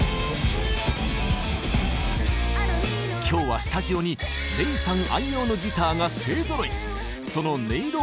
今日はスタジオにＲｅｉさん愛用のギターが勢ぞろい！